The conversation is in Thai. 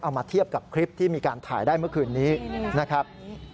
มาเทียบกับคลิปที่มีการถ่ายได้เมื่อคืนนี้นะครับ